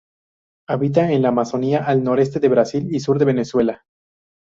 Habita en la Amazonia al noreste de Brasil y sur de Venezuela.